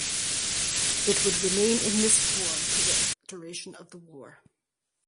It would remain in this Corps for the duration of the war.